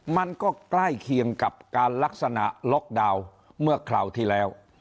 มันก็ใกล้เคียงกับการลักษณะล็อกดาวน์เมื่อคราวที่แล้ว